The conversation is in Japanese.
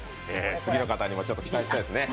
次の方にもちょっと期待したいですね。